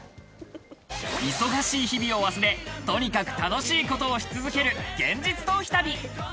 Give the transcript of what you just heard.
忙しい日々を忘れ、とにかく楽しいことをし続ける現実逃避旅。